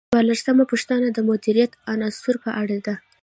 څوارلسمه پوښتنه د مدیریت د عناصرو په اړه ده.